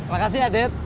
makasih ya dad